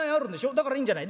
だからいいんじゃない。